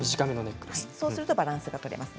そうするとバランスが取れます。